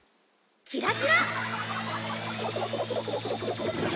「キラキラ！」